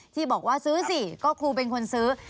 ที่บอกว่าซื้อสิก็ครูเป็นคนซื้อ